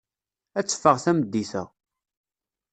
Ad teffeɣ tameddit-a.